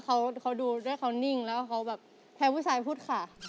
เขาดูด้วยเขานิ่งแล้วเขาแบบแทนผู้ชายพูดค่ะ